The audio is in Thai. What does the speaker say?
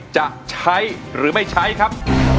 จะใช้หรือไม่ใช้ครับ